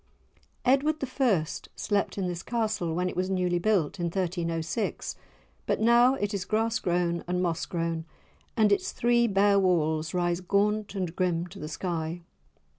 Edward I. slept in this Castle when it was newly built, in 1306; but now it is grass grown and moss grown, and its three bare walls rise gaunt and grim to the sky.